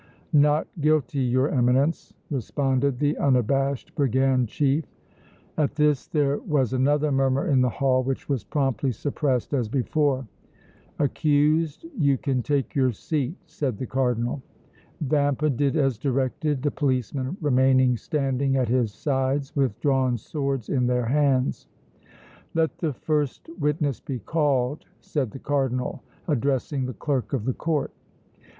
"Not guilty, your Eminence!" responded the unabashed brigand chief. At this there was another murmur in the hall which was promptly suppressed as before. "Accused, you can take your seat," said the Cardinal. Vampa did as directed, the policemen remaining standing at his sides with drawn swords in their hands. "Let the first witness be called," said the Cardinal, addressing the clerk of the Court.